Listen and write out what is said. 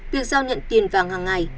việc giao nhận tiền vàng hàng ngày